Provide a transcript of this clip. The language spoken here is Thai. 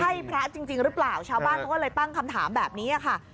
ใช่พระจริงหรือเปล่าชาวบ้านเขาก็เลยตั้งคำถามแบบนี้ค่ะ